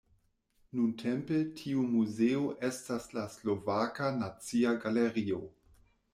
Nuntempe tiu muzeo estas la Slovaka Nacia Galerio.